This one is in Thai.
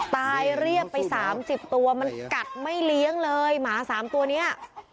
เรียบไปสามสิบตัวมันกัดไม่เลี้ยงเลยหมาสามตัวเนี้ย